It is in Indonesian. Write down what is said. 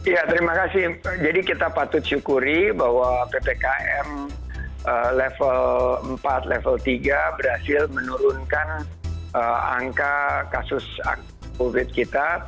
ya terima kasih jadi kita patut syukuri bahwa ppkm level empat level tiga berhasil menurunkan angka kasus covid kita